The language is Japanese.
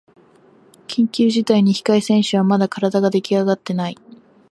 緊急事態に控え選手はまだ体ができあがってない